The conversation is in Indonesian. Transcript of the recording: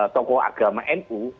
tokoh agama nu